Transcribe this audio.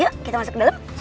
yuk kita masuk ke dalam